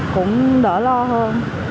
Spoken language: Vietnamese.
cũng đỡ lo hơn